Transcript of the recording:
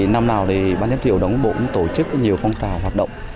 năm nào ban giám thị trại giam đồng bộ cũng tổ chức nhiều phong trào hoạt động